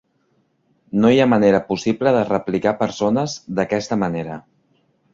No hi ha manera possible de replicar persones d'aquesta manera.